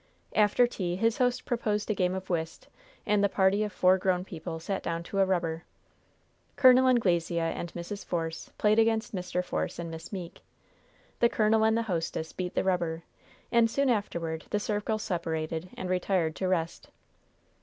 After tea his host proposed a game of whist, and the party of four grown people sat down to a rubber. Col. Anglesea and Mrs. Force played against Mr. Force and Miss Meeke. The colonel and the hostess beat the rubber. And soon afterward the circle separated and retired to rest.